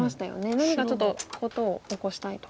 何かちょっと事を起こしたいと。